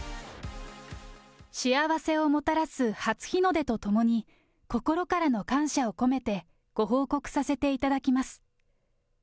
幸せをもたらす初日の出とともに、心からの感謝を込めて、ご報告させていただきます。